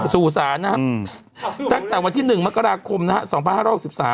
สู่สารสู่สารนะฮะตั้งแต่วันที่๑มกราคมนะฮะ